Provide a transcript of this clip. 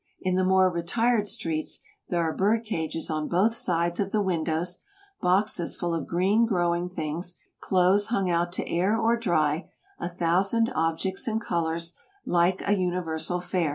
In the more retired streets there are bird cages on both sides of the windows, boxes full of green growing things, clothes hung out to air or dry, a thousand objects and colors, like a universal fair.